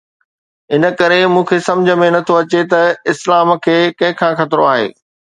ان ڪري مون کي سمجهه ۾ نٿو اچي ته اسلام کي ڪنهن کان خطرو آهي؟